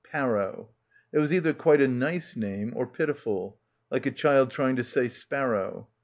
Parrow. It was either quite a nice name or piti ful ; like a child trying to say sparrow.